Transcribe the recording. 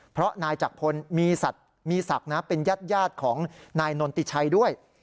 เพราะนายจักรพลมีศักดิ์นะเป็นญาติของนายนนติชัยด้วย